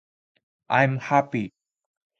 i'm happy